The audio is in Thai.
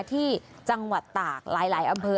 ที่จังหวัดตากหลายอำเภอ